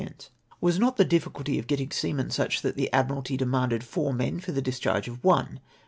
* Was not the difficulty of getting seamen such that the Admiralty demanded four men for the discharge of one